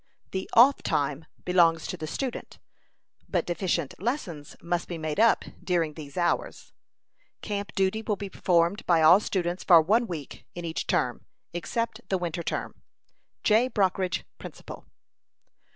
The 'Off Time' belongs to the student; but deficient lessons must be made up during these hours. Camp duty will be performed by all students for one week, in each term, except the winter term. J. BROCKRIDGE, Principal."